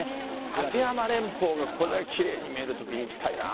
立山連峰がこれだけきれいに見えるときに行きたいな。